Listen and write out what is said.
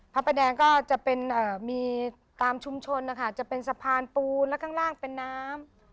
พระประแดงก็จะเป็นมีตามชุมชนนะคะจะเป็นสะพานปูนและข้างล่างเป็นน้ำ